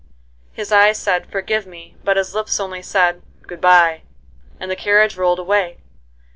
His eyes said, "Forgive me," but his lips only said, "Good by," and the carriage rolled away.